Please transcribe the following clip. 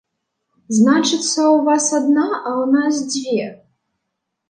Значыцца, у вас адна, а ў нас дзве!